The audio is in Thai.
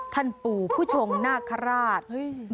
ท่านปู่ผู้ชงนาคาราช